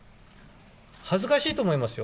恥ずかしいと思いますよ。